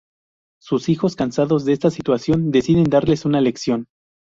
Sus hijos, cansados de esta situación deciden darles una lección.